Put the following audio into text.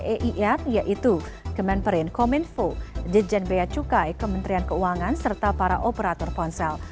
ceir yaitu kemenperin komenfo jejen beacukai kementerian keuangan serta para operator ponsel